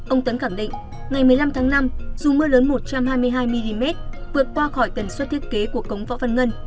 ông tấn khẳng định ngày một mươi năm tháng năm dù mưa lớn một trăm hai mươi hai mm vượt qua khỏi tần suất thiết kế của cống võ văn ngân